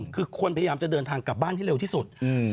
คือคนพยายามจะเดินทางกลับบ้านให้เร็วที่สุด